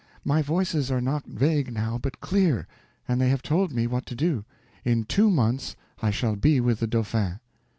My Voices are not vague now, but clear, and they have told me what to do. In two months I shall be with the Dauphin."